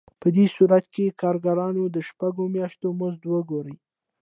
په دې صورت کې د کارګرانو د شپږو میاشتو مزد وګورئ